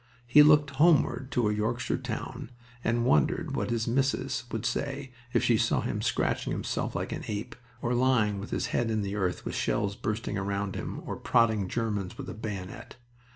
He looked homeward to a Yorkshire town and wondered what his missus would say if she saw him scratching himself like an ape, or lying with his head in the earth with shells bursting around him, or prodding Germans with a bayonet.